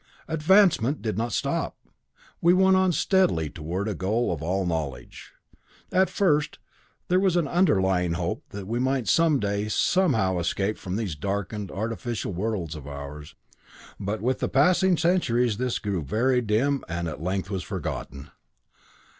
Advancement did not stop; we went on steadily toward the goal of all knowledge. At first there was an underlying hope that we might some day, somehow, escape from these darkened, artificial worlds of ours, but with the passing centuries this grew very dim and at length was forgotten.